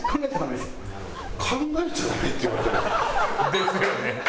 ですよね。